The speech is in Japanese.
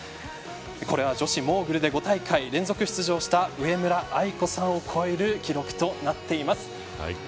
これは女子モーグルで５大会連続出場した上村愛子さんを超える記録となっています。